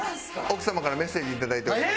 奥様からメッセージいただいております。